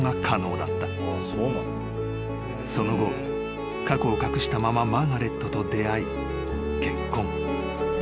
［その後過去を隠したままマーガレットと出会い結婚］